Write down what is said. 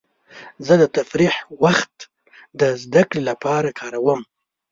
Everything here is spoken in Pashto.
زه د تفریح وخت د زدهکړې لپاره کاروم.